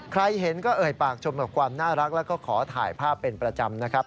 ใครเห็นก็เอ่ยปากชมกับความน่ารักแล้วก็ขอถ่ายภาพเป็นประจำนะครับ